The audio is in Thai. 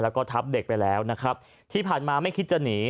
แล้วก็ทับเด็กไปแล้วนะครับที่ผ่านมาไม่คิดจะหนี